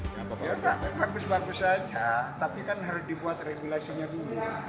ya bagus bagus saja tapi kan harus dibuat regulasinya dulu